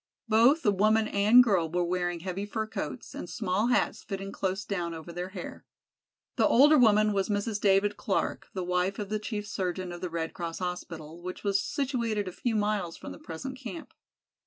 Both the woman and girl were wearing heavy fur coats and small hats fitting close down over their hair. The older woman was Mrs. David Clark, the wife of the chief surgeon of the Red Cross hospital which was situated a few miles from the present camp.